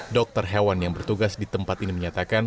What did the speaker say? dokter hewan yang bertugas di tempat ini menyatakan